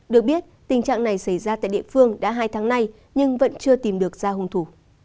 được biết tình trạng này xảy ra tại địa phương đã hai tháng nay nhưng vẫn chưa tìm được ra hung thủ